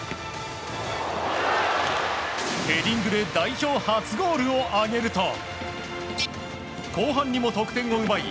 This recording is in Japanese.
ヘディングで代表初ゴールを挙げると後半にも得点を奪い